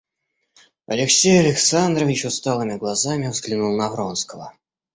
Алексей Александрович усталыми глазами взглянул на Вронского.